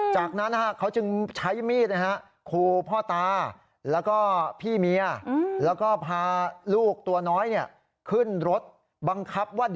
จากนั้นเขาจึงใช้มีดครูพ่อตา